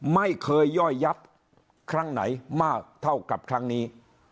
ไม่เคยย่อยยับครั้งไหนมากเท่ากับครั้งนี้